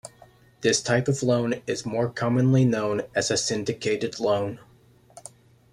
This type of loan is more commonly known as a syndicated loan.